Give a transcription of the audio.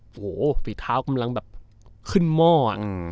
โห่ฝีเท้ากำลังแบบขึ้นหม้ออืม